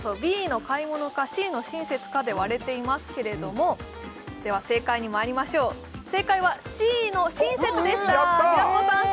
Ｂの買い物かＣの親切かで割れていますけれどもでは正解にまいりましょう正解はＣの親切でした平子さん